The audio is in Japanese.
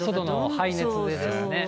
排熱でですね。